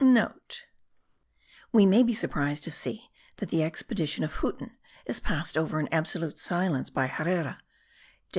*(* We may be surprised to see, that the expedition of Huten is passed over in absolute silence by Herrera (dec.